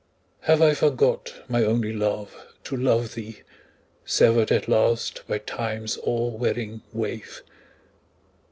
Have I forgot, my only love, to love thee, Severed at last by Time's all wearing wave?